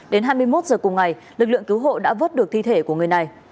đến hai mươi một h cùng ngày lực lượng cứu hộ đã vớt được thi thể của người này